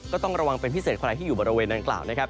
ต้องระวังเป็นพิเศษใครที่อยู่บริเวณนางกล่าวนะครับ